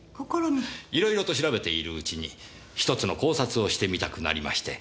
いろいろと調べているうちに１つの考察をしてみたくなりまして。